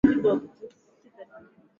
msimamizi wa matangazo haya ni pendo po ndovi